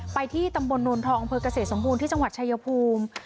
ที่ตำบลโนนทองอำเภอกเกษตรสมบูรณ์ที่จังหวัดชายภูมิ